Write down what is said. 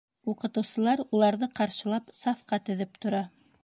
Уҡытыусылар, уларҙы ҡаршылап, сафҡа теҙеп тора.